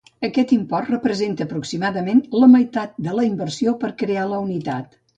Aquest import representa aproximadament la meitat de la inversió per crear la unitat.